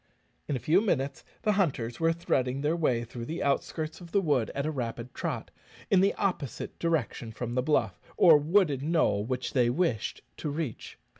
In a few minutes the hunters were threading their way through the outskirts of the wood at a rapid trot, in the opposite direction from the bluff, or wooded knoll, which they wished to reach.